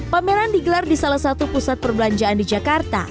pameran digelar di salah satu pusat perbelanjaan di jakarta